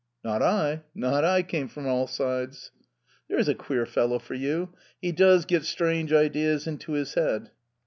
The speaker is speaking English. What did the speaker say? "Not I. Not I," came from all sides. "There's a queer fellow for you! He does get strange ideas into his head!"